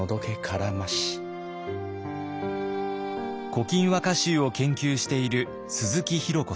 「古今和歌集」を研究している鈴木宏子さん。